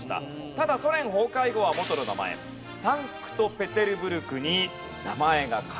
ただソ連崩壊後は元の名前サンクトペテルブルクに名前が変えられました。